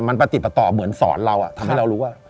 มันประติดประต่อเหมือนสอนเราทำให้เรารู้ว่า